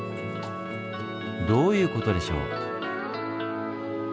どういう事でしょう？